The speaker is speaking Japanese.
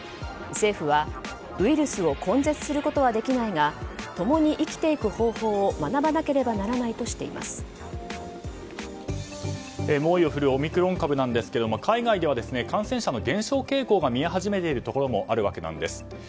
政府はウイルスを根絶することはできないが共に生きていく方法を学ばなければならないと猛威を振るうオミクロン株なんですが海外では感染者の減少傾向が見え始めているところもあるわけです。